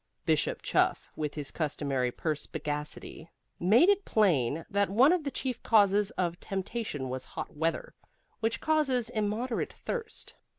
Bishop Chuff, with his customary perspicacity, made it plain that one of the chief causes of temptation was hot weather, which causes immoderate thirst.